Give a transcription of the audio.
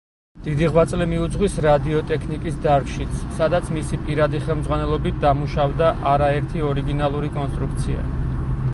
დიდი ღვაწლი მიუძღვის რადიოტექნიკის დარგშიც, სადაც მისი პირადი ხელმძღვანელობით დამუშავდა არაერთი ორიგინალური კონსტრუქცია.